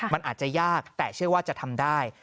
มันอาจจะยากแต่เชื่อว่าจะทำได้